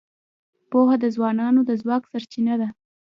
پوهه د ځوانانو د ځواک سرچینه ده.